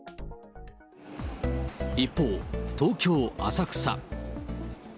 一方、東京・浅草。